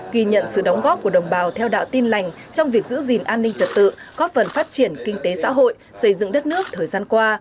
ghi nhận sự đóng góp của đồng bào theo đạo tin lành trong việc giữ gìn an ninh trật tự góp phần phát triển kinh tế xã hội xây dựng đất nước thời gian qua